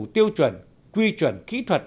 tiêu chuẩn quy chuẩn kỹ thuật